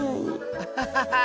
アハハハ！